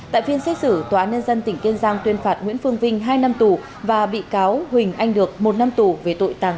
tại phiên xét xử tòa án nhân dân tỉnh kiên giang tuyên phạt nguyễn phương vinh hai năm tù và bị cáo huỳnh anh được một năm tù về tội tàng trữ trái phép vũ khí quân dụng